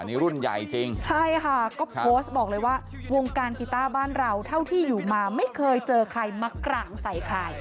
นี่รุ่นใหญ่จริงใช่ค่ะก็โพสต์บอกเลยว่าวงการกีต้าบ้านเราเท่าที่อยู่มาไม่เคยเจอใครมากร่างใส่ใคร